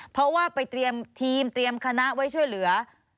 เพราะว่าไปเตรียมทีมเตรียมคณะไว้ช่วยเหลือ